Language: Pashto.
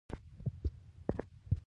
شابه زما اتله خو دا ګوره مه هېروه.